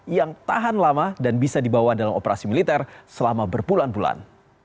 yang tahan lama dan bisa dibawa dalam operasi militer selama berbulan bulan